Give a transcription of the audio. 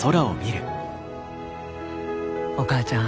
お母ちゃん